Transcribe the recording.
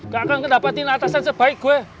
gak akan kedapatin atasan sebaik gue